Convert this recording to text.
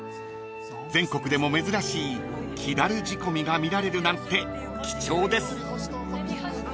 ［全国でも珍しい木だる仕込みが見られるなんて貴重です］